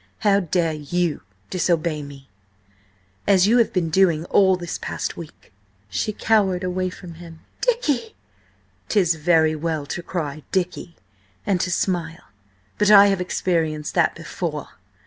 How dare you disobey me, as you have been doing all this past week?" She cowered away from him. "Dicky!" "'Tis very well to cry 'Dicky,' and to smile, but I have experienced that before.